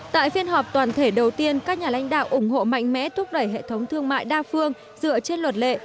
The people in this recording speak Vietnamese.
tại phiên họp toàn thể đầu tiên các nhà lãnh đạo ủng hộ mạnh mẽ thúc đẩy hệ thống thương mại đa phương dựa trên luật lệ